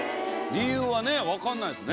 理由はねわかんないですね。